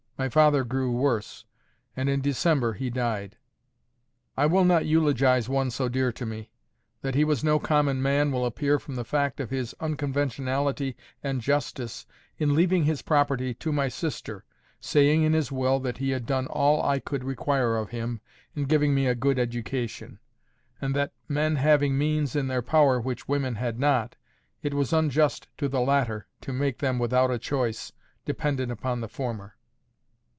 My father grew worse, and in December he died. I will not eulogize one so dear to me. That he was no common man will appear from the fact of his unconventionality and justice in leaving his property to my sister, saying in his will that he had done all I could require of him, in giving me a good education; and that, men having means in their power which women had not, it was unjust to the latter to make them, without a choice, dependent upon the former.